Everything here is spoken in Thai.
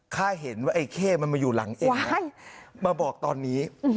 ข้าเห็นไอ่เข้มันมาอยู่หลังเองนะมาบอกตอนนี้